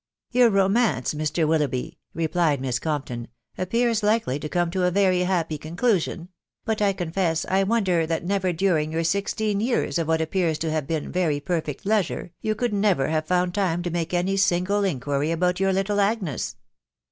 ." Your romance, Mr. Willoughby," replied Miss Compton, " appears likely to come to a very happy conclusion .... but I confess I wonder that never during your sixteen years of what appears to have been very perfect leisure you could never have found time to make any single inquiry about your little Agnes."